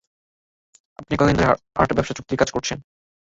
আপনি কতদিন ধরে আর্ট ব্যাবসার চুক্তির কাজ করছেন?